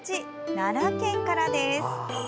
奈良県からです。